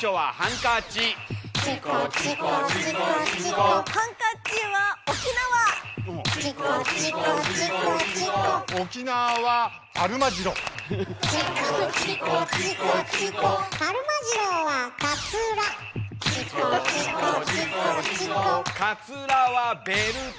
「カツラ」は「ベルト」！